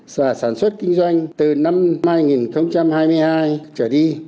và sản xuất kinh doanh từ năm hai nghìn hai mươi hai trở đi